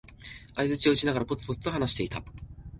相づちを打ちながら、ぽつぽつと話していた。